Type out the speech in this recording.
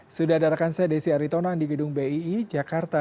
sudah ada rekan saya desi aritonang di gedung bii jakarta